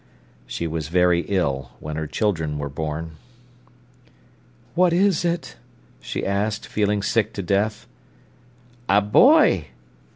She was very ill when her children were born. "What is it?" she asked, feeling sick to death. "A boy."